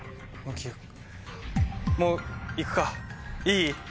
もう行くかいい？